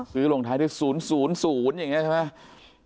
ลงท้ายด้วย๐๐อย่างนี้ใช่ไหม